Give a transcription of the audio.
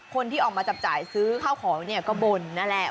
คนที่ออกมาจับจ่ายซื้อข้าวของเนี่ยก็บ่นนั่นแหละ